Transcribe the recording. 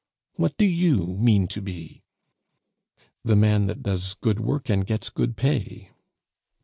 What do you mean to be?" "The man that does good work and gets good pay."